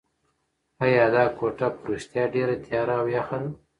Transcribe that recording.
ایا دا کوټه په رښتیا ډېره تیاره او یخه ده؟